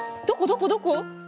どこどこどこ？